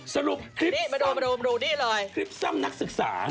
สรุปคลิปส้ำนักศึกษา